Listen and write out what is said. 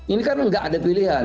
ini kan nggak ada pilihan